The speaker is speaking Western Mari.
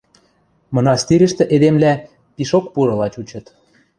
Мынастирӹштӹ эдемвлӓ пишок пурыла чучыт.